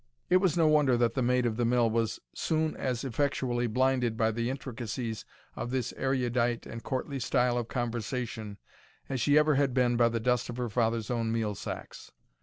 It was no wonder that the Maid of the Mill was soon as effectually blinded by the intricacies of this erudite and courtly style of conversation, as she had ever been by the dust of her father's own meal sacks.